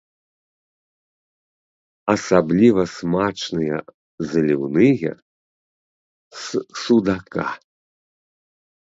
Асабліва смачныя заліўныя з судака.